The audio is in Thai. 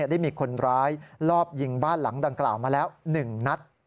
ได้มีคนร้ายลอบยิงบ้านหลังดังกล่าวมาแล้ว๑นัด